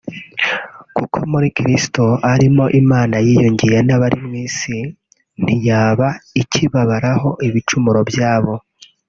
“Kuko muri Kristo ari mo Imana yiyungiye n’abari mu isi ntiyaba ikibabaraho ibicumuro byabo